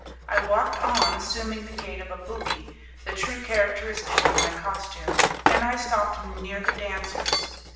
I walked on, assuming the gait of a booby, the true characteristic of my costume, and I stopped near the dancers.